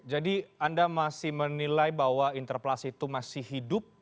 anda masih menilai bahwa interpelasi itu masih hidup